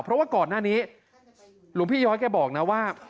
เพราะว่าก่อนหน้านี้หลวงพี่ย้อยแกบอกนะว่า